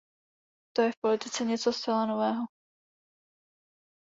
To je v politice něco zcela nového.